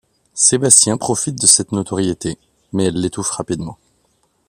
Sébastien profite de cette notoriété, mais elle l'étouffe rapidement.